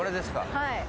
はい。